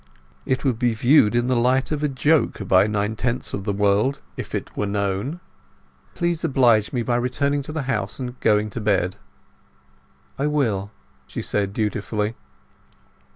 It would be viewed in the light of a joke by nine tenths of the world if it were known. Please oblige me by returning to the house, and going to bed." "I will," said she dutifully.